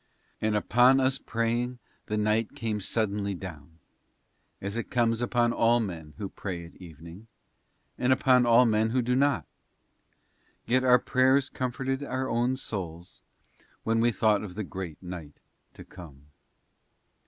And upon us praying the night came suddenly down, as it comes upon all men who pray at evening and upon all men who do not; yet our prayers comforted our own souls when we thought of the Great Night to come.